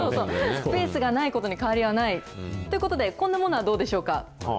スペースがないことに変わりはない。ということで、こんなものはどうでしょうか。